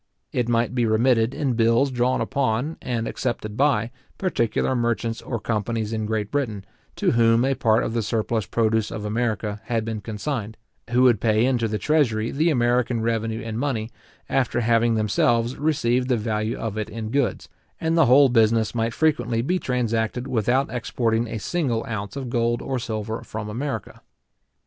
It might be remitted in bills drawn upon, and accepted by, particular merchants or companies in Great Britain, to whom a part of the surplus produce of America had been consigned, who would pay into the treasury the American revenue in money, after having themselves received the value of it in goods; and the whole business might frequently be transacted without exporting a single ounce of gold or silver from America.